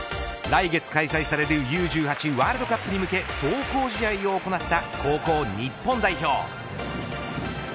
来月開催されるＵ１８ワールドカップに向け壮行試合を行った高校日本代表。